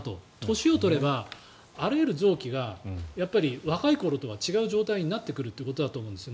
年を取ればあらゆる臓器が若い頃とは違う状態になってくるということだと思うんです。